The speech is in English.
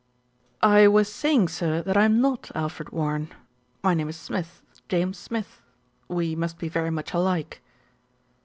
"I was saying, sir, that I am not Alfred Warren. My name is Smith, James Smith. We must be very much alike."